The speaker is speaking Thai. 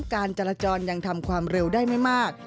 การจราจรยังทำความเร็วได้ไม่มาก